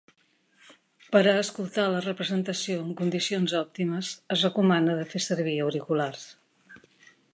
Per a escoltar la representació en condicions òptimes, es recomana de fer servir auriculars.